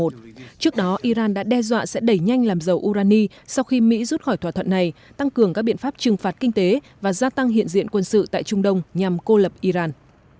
trước đó iran đã đe dọa sẽ đẩy nhanh làm dầu urani sau khi mỹ rút khỏi thỏa thuận này tăng cường các biện pháp trừng phạt kinh tế và gia tăng hiện diện quân sự tại trung đông nhằm cô lập iran